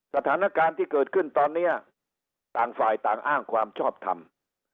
สถานการณ์ที่เกิดขึ้นตอนนี้ต่างฝ่ายต่างอ้างความชอบทำ